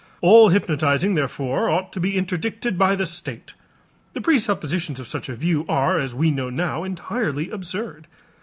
All hypnotizing therefore ought to be interdicted by the state. The presuppositions of such a view are, as we know now, entirely absurd.